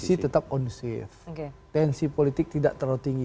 karena berhasilnya iplikasi politik tidak terlalu tinggi